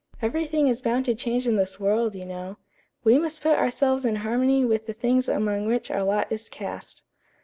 "Everything is bound to change in this world, you know. 'We must put ourselves in harmony with the things among which our lot is cast.'"